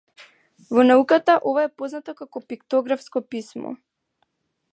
Во науката ова е познато како пиктографско писмо.